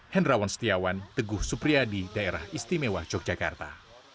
hendrawan setiawan teguh supriyadi daerah istimewa yogyakarta